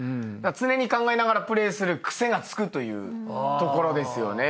常に考えながらプレーする癖がつくというところですよね。